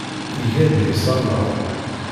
Iga deg-s annar.